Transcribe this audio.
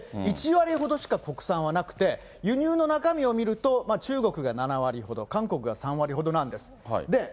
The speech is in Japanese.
１割ほどしか国産はなくて、輸入の中身を見ると、中国が７割ほど、韓国が３割ほどなんです。